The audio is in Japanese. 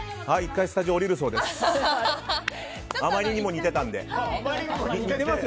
１回、スタジオ降りるそうです。